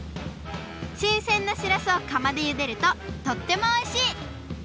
しんせんなしらすをかまでゆでるととってもおいしい！